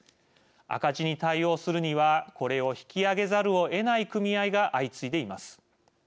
赤字に対応するにはこれを引き上げざるをえない組合が相次いでいます。